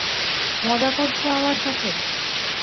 মজা করছো আমার সাথে।